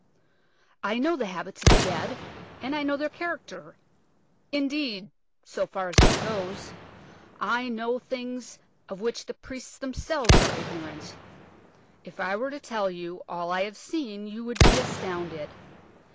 I know the habits of the dead, and I know their character. Indeed, so far as that goes, I know things of which the priests themselves are ignorant. If I were to tell you all I have seen, you would be astounded.